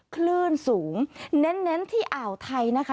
คลื่นสูงเน้นที่อ่าวไทยนะคะ